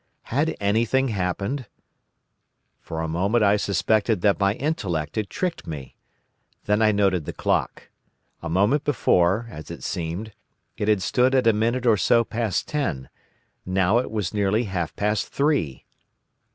Had anything happened? For a moment I suspected that my intellect had tricked me. Then I noted the clock. A moment before, as it seemed, it had stood at a minute or so past ten; now it was nearly half past three!